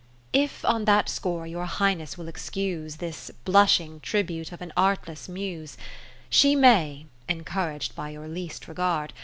If on that score your Highness will excuse This blushing tribute of an artless Muse, She may (encourag'd by your least regard.